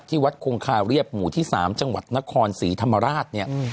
วัดคงคาเรียบหมู่ที่๓จังหวัดนครศรีธรรมราชเนี่ย